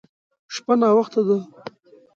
شپه ناوخته ده.